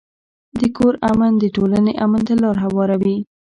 د کور امن د ټولنې امن ته لار هواروي.